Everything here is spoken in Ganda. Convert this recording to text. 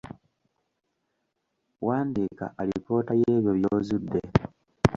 Wandiika alipoota y’ebyo by’ozudde